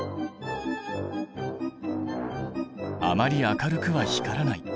あまり明るくは光らない。